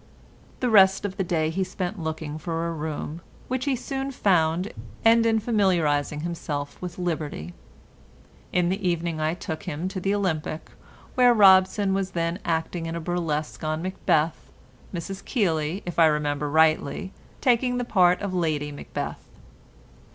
The rest of the day he spent in looking for a room, which he soon found, and in familiarising himself with liberty. In the evening I took him to the Olympic, where Robson was then acting in a burlesque on Macbeth, Mrs Keeley, if I remember rightly, taking the part of Lady Macbeth.